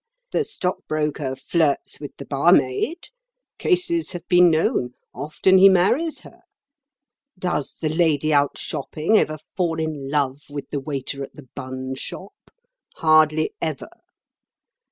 The stockbroker flirts with the barmaid—cases have been known; often he marries her. Does the lady out shopping ever fall in love with the waiter at the bun shop? Hardly ever.